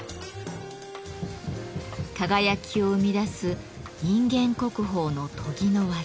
輝きを生み出す人間国宝の研ぎの技。